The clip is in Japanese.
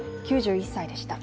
９１歳でした。